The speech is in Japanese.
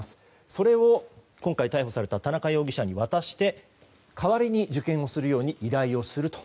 それを、今回逮捕された田中容疑者に渡して代わりに受験をするように依頼をすると。